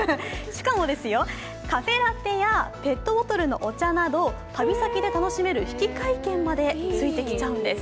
しかも、カフェラテやペットボトルのお茶など旅先で楽しめる引換券までついてきちゃうんです。